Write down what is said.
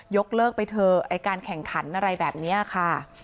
ยกเลิกไปเถอะไอ้การแข่งขันอะไรแบบนี้ค่ะ